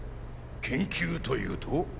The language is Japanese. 研究というと？